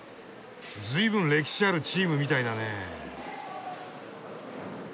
ずいぶん歴史あるチームみたいだね。